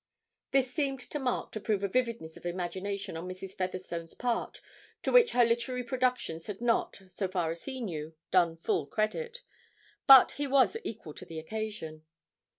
This seemed to Mark to prove a vividness of imagination on Mrs. Featherstone's part to which her literary productions had not, so far as he knew, done full credit. But he was equal to the occasion.